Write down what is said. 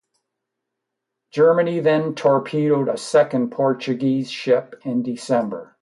Germany then torpedoed a second Portuguese ship in December.